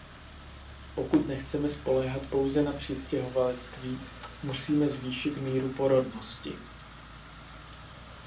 Pokud nechceme spoléhat pouze na přistěhovalectví, musíme zvýšit míru porodnosti.